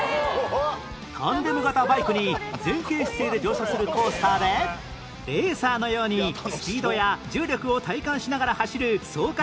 タンデム型バイクに前傾姿勢で乗車するコースターでレーサーのようにスピードや重力を体感しながら走る爽快感が抜群